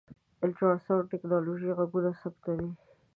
د الټراسونډ ټکنالوژۍ غږونه ثبتوي.